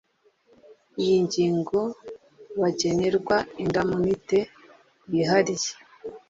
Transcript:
iyi ngingo Bagenerwa indamunite yihariye